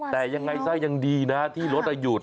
แต่ยังไงซะยังดีนะที่รถหยุด